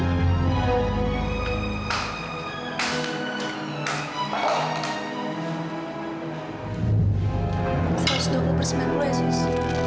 saya harus doang bersemanulah sus